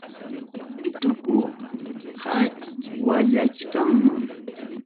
Chiki tuku qachwallachkam.